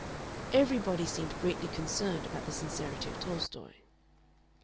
Everybody seemed greatly concerned about the sincerity of Tolstoy.